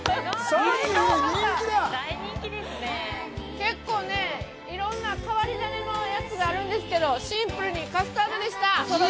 結構いろんな変わり種があるんですけどシンプルにカスタードでした。